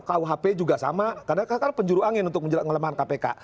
kuhp juga sama karena kan penjuru angin untuk menjerat kelemahan kpk